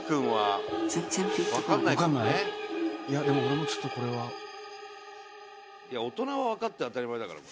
「いやでも俺もちょっとこれは」いや大人はわかって当たり前だから。